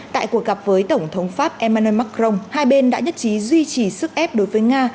tại cuộc gặp với tổng thống pháp emmanuel macron hai bên đã nhất trí duy trì sức ép đối với nga